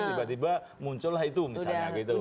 tiba tiba muncul lah itu misalnya gitu